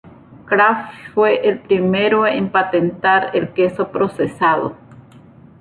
Kraft fue el primero en patentar el queso procesado.